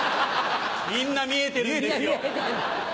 みんな見えてるんですよ。